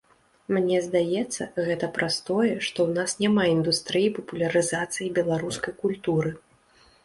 Мне здаецца, гэта праз тое, што ў нас няма індустрыі папулярызацыі беларускай культуры.